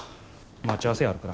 待ち合わせあるから。